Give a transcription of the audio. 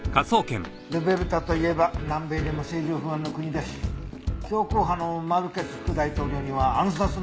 ルベルタといえば南米でも政情不安の国だし強硬派のマルケス副大統領には暗殺の噂も絶えないからね。